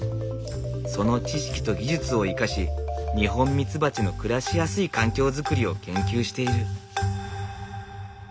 その知識と技術を生かしニホンミツバチの暮らしやすい環境づくりを研究している。